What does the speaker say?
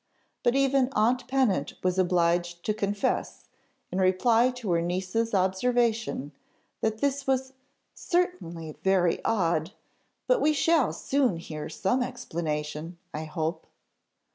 But even aunt Pennant was obliged to confess, in reply to her niece's observation, that this was "certainly very odd! but we shall soon hear some explanation, I hope."